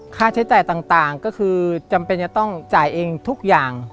ค่าใช้จ่ายต่างก็คือจำเป็นจะต้องจ่ายเองทุกอย่าง